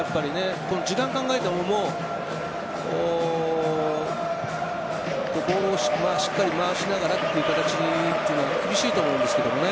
時間考えてもボールをしっかり回しながらという形にというのは厳しいと思うんですけれどね。